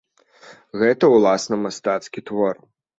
Гэта ўласна мастацкі твор.